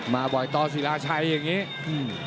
มาบ่อยตอสิราชัยอย่างนี้